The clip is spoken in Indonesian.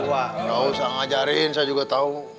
nggak usah ngajarin saya juga tahu